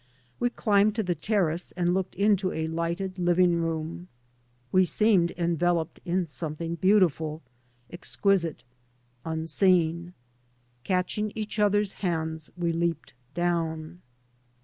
We climbed to the terrace and looked into a lighted living room. We seemed enveloped in something beautiful, exquisite, unseen. Catching each other's hands, we leaped down.